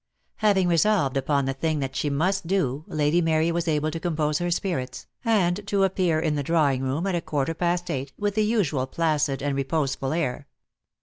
Having resolved upon the thing that she must do Lady Mary was able to compose her spirits, and to appear in the drawing room at a quarter past eight, with the usual' placid and reposeful air.